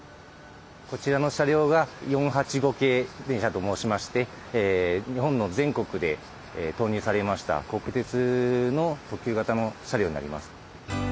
こちらの車両が４８５系電車と申しまして日本の全国で投入されました国鉄の特急形の車両になります。